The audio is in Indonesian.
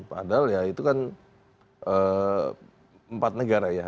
padahal ya itu kan empat negara ya